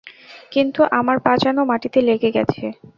কিন্তু আমার পা যেন মাটিতে লেগে গেছে।